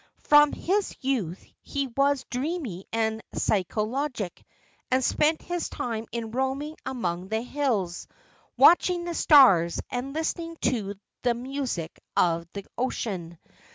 From his youth he was dreamy and psychologic, and spent his time in roaming among the hills, watching the stars and listening to the music of the ocean.